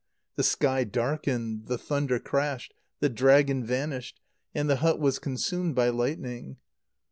The sky darkened, the thunder crashed, the dragon vanished, and the hut was consumed by lightning.